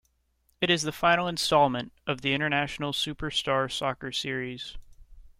It is the final installment of the "International Superstar Soccer" series.